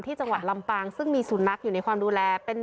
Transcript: จังหวัดลำปางซึ่งมีสุนัขอยู่ในความดูแลเป็น